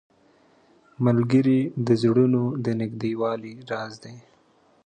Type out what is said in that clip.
ملګری د زړونو د نږدېوالي راز دی